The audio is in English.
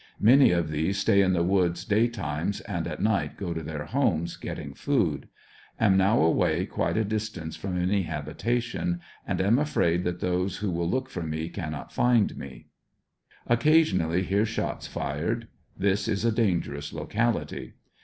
Many of these stay in the woods day times, and at night go to their homes, getting food Am now away quite a distance from any habitation, and am afraid those who will look for me cannot find me. Occa sionally hear shots fired; this is a dangerous locality.